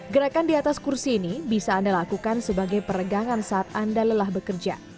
gerakan di atas kursi ini bisa anda lakukan sebagai peregangan saat anda lelah bekerja